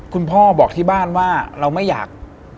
คุณพ่อบอกที่บ้านว่าเราไม่อยาก